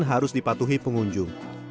harus dipatuhi pengunjung